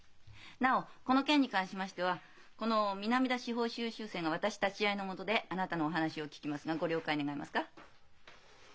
なおこの件に関しましてはこの南田司法修習生が私立ち会いの下であなたのお話を聞きますがご了解願えますか？